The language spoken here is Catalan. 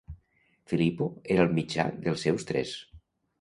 Filippo era el mitjà dels seus tres.